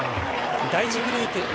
第１グループ